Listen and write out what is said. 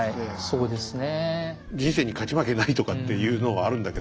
そうですね。